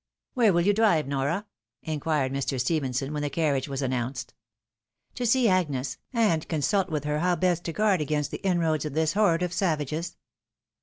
" Where wiU you drive, Nora? " inquired Mr. Stephenson, when the carriage was announced, " To see Agnes, and consult with her how best to guard against the inroads of this horde of savages."